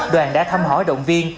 đoàn đã thăm hỏi động viên